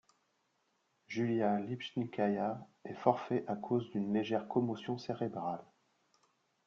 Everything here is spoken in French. Julia Lipnitskaïa est forfait à cause d'une légère commotion cérébrale.